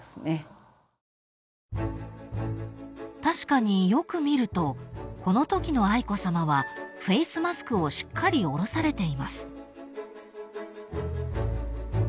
［確かによく見るとこのときの愛子さまはフェースマスクをしっかり下ろされています］